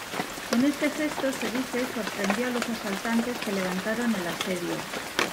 Con este gesto, se dice, sorprendió a los asaltantes, que levantaron el asedio.